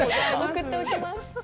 送っておきます。